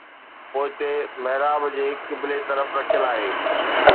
پوئتي محراب جي قبلي طرف رکيل آهي